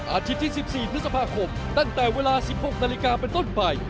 อาทิตย์ที่๑๔นคตั้งแต่เวลา๑๖นเป็นต้นไป